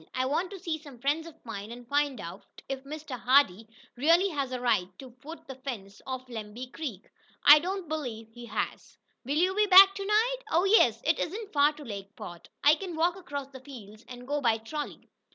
I want to see some friends of mine, and find out if Mr. Hardee really has the right to fence off Lemby Creek. I don't believe he has." "Will you be back to night?" "Oh, yes. It isn't far to Lakeport. I can walk across the fields and go by trolley."